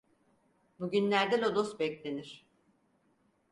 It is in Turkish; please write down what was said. Bugünlerde lodos beklenir!